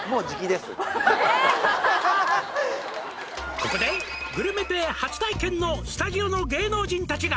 「ここでぐるめ亭初体験のスタジオの芸能人達が」